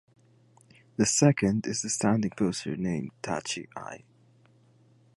The second is the standing posture named "tachi-ai".